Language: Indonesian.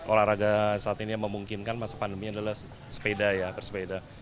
olahraga saat ini yang memungkinkan masa pandemi adalah sepeda ya bersepeda